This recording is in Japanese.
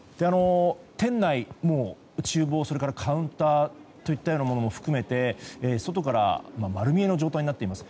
店内は厨房、カウンターといったようなものも含めて外から丸見えの状態になっています。